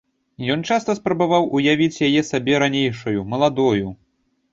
Ён часта спрабаваў уявіць яе сабе ранейшаю, маладою.